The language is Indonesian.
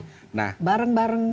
tapi kalau bareng bareng